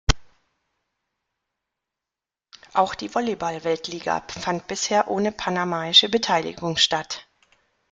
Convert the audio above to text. Auch die Volleyball-Weltliga fand bisher ohne panamaische Beteiligung statt.